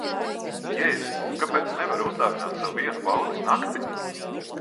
Jēziņ, kāpēc nevari uzdāvināt sev vienu baudas nakti?